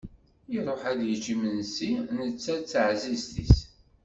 Iruḥ ad yečč imensi netta d teɛzizt-is.